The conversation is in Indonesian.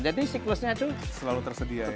jadi siklusnya itu selalu tersedia ya